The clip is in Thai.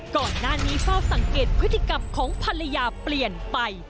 ก่อนหน้านี้เฝ้าสังเกตพฤติกรรมของภรรยาเปลี่ยนไป